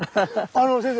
あの先生